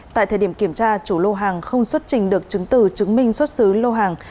tại thời điểm kiểm tra chủ lô hàng không xuất trình được chứng từ chứng minh xuất xứ lô hàng